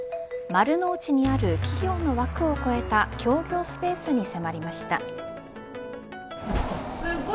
丸の内にある企業の枠を超えた協業スペースに迫りました。